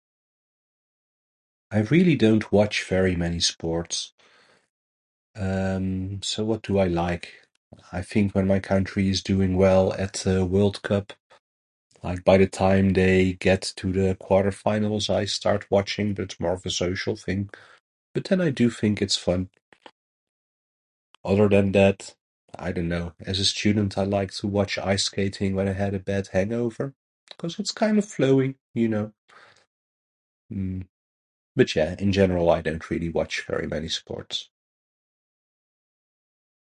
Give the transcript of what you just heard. I really don't watch very many sports. Um, so what do I like? I think when my country's doing well at the world cup. Like, by the time they get to the quarter finals I start watching but it's more of a social thing, but then I do think it's fun. Other than that, I dunno. As a student I liked to watch ice skating when I had a bad hangover, cuz it's kinda flowy, you know. But, yeah, in general, I don't really watch very many sports.